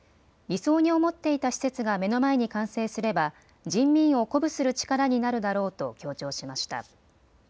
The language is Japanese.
理想に思っていた施設が目の前に完成すれば人民を鼓舞する力になるだろうと強調しました。